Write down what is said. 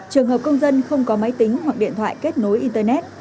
trường hợp công dân không có máy tính hoặc điện thoại kết nối internet